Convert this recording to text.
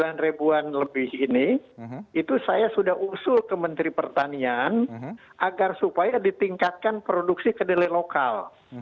karena sekarang harganya sampai rp sembilan lebih ini itu saya sudah usul ke menteri pertanian agar supaya ditingkatkan produksi kedelai lokal